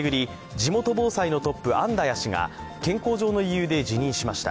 地元防災のトップ、アンダヤ氏が健康上の理由で辞任しました。